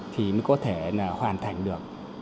thì nó có thể hoàn thành được